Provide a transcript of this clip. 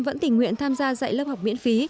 vẫn tình nguyện tham gia dạy lớp học miễn phí